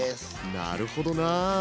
なるほどなあ。